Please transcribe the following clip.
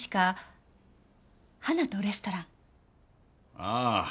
ああ